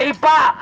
bisa diam nggak